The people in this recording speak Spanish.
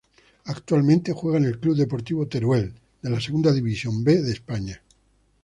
Actualmente juega en el Club Deportivo Teruel de la Segunda División B de España.